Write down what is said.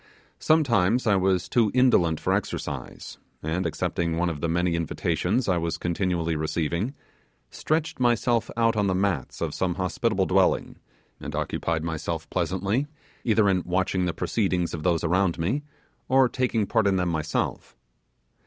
Sometimes I was too indolent for exercise, and accepting one of the many invitations I was continually receiving, stretched myself out on the mats of some hospitable dwelling, and occupied myself pleasantly either in watching the proceedings of those around me or taking part in them myself.